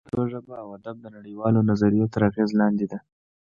پښتو ژبه او ادب د نړۍ والو نظریو تر اغېز لاندې دی